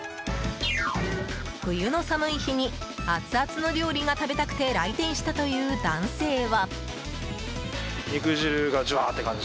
冬の寒い日にアツアツの料理が食べたくて来店したという男性は。